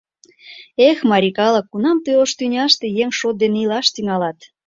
Эх, марий калык, кунам тый ош тӱняште еҥ шот дене илаш тӱҥалат?..